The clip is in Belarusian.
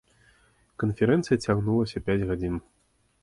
Канферэнцыя цягнулася пяць гадзін.